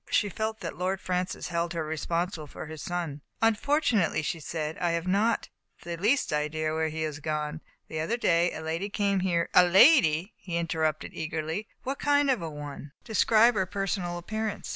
She felt that Lord Francis held her responsible for his son. " Unfortunately/' she said, " I have not the least idea where he has gone. The other day a lady came here " A lady !" he interrupted eagerly. " What kind of a one ? Describe her personal appearance.